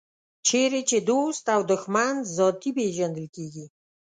چېرې چې دوست او دښمن ذاتي پېژندل کېږي.